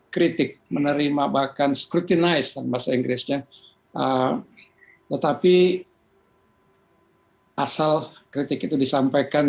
kritik menerima bahkan scrutinize dan bahasa inggrisnya tetapi asal kritik itu disampaikan